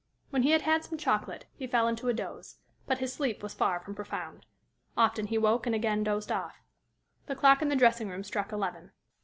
When he had had some chocolate, he fell into a doze. But his sleep was far from profound. Often he woke and again dozed off. The clock in the dressing room struck eleven.